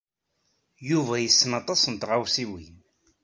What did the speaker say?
Yuba yessen aṭas n tɣawsiwin.